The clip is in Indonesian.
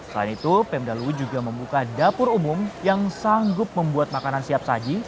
selain itu pemdalu juga membuka dapur umum yang sanggup membuat makanan siap saji